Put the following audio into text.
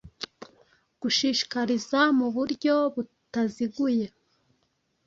gushishikariza mu buryo butaziguye